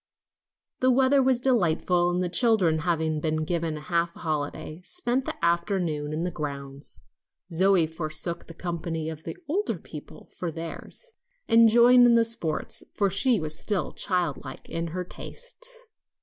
The weather was delightful, and the children having been given a half holiday, spent the afternoon in the grounds. Zoe forsook the company of the older people for theirs, and joined in their sports, for she was still child like in her tastes.